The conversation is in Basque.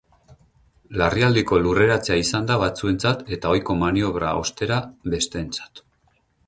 Larrialdiko lurreratzea izan da batzuentzat eta ohiko maniobra, ostera, besteentzat.